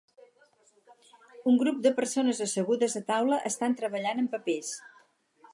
Un grup de persones assegudes a taula estan treballant amb papers.